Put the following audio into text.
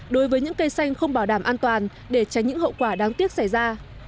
đối với những cây xanh không bảo đảm an toàn để tránh những hậu quả đáng tiếc xảy ra